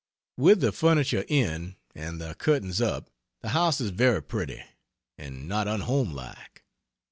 With the furniture in and the curtains up the house is very pretty, and not unhomelike.